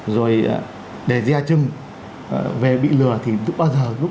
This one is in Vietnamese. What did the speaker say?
rồi để ra chân về bị lừa thì lúc